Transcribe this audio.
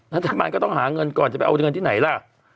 รัฐบาลก็ต้องหาเงินก่อนจะไปเอาเงินที่ไหนล่ะ